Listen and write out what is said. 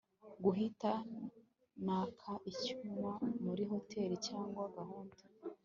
guhita naka icyumba muri hotel cyangwa gahunda